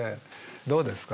どうですか？